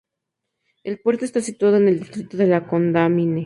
El puerto está situado en el distrito de La Condamine.